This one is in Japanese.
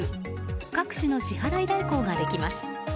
各種の支払い代行ができます。